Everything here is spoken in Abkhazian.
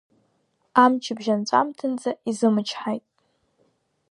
Амчыбжь анҵәамҭанӡа изымчҳаит.